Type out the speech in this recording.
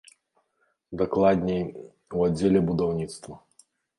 Дакладней, у аддзеле будаўніцтва.